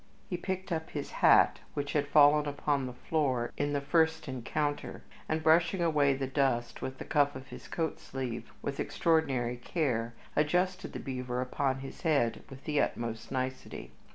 He picked up his hat, which had fallen upon the floor in the first encounter, and, brushing away the dust with the cuff of his coat sleeve with extraordinary care, adjusted the beaver upon his head with the utmost nicety.